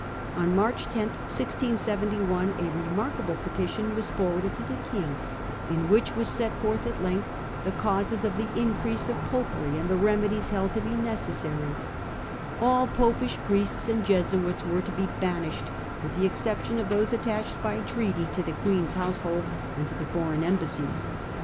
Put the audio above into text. On March 10, 1671, a remarkable petition was forwarded to the King, in which were set forth at length the causes of the in Persecution crease of Popery and the remedies held to be cLm^March' necessary. All Popish priests and Jesuits were 1671! to be banished, with the exception of those attached by treaty to the Queen's household and to the foreign embassies.